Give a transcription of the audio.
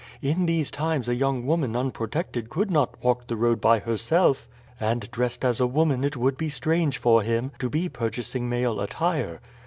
In these times a young woman unprotected could not walk the road by herself, and dressed as a woman it would be strange for him to be purchasing male attire."